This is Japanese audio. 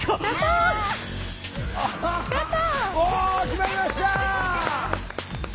決まりました！